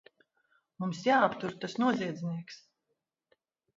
Mums jāaptur tas noziedznieks!